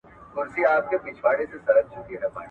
لور باید خپل حقونه هېر نه کړي.